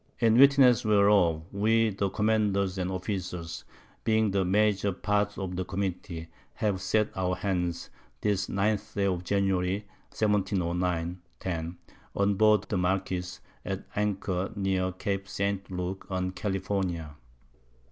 _In witness whereof, we the Commanders and Officers, being the major Part of the Committee, have set our Hands, this 9th Day of_ January, 1709 10. on board the Marquiss, at Anchor near Cape St. Luke, on California.